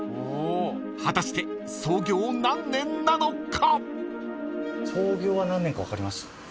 ［果たして創業何年なのか］